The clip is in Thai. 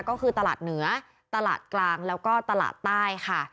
ก็คือตลาดเหนือตลาดกลางแล้วก็ตลาดใต้ค่ะ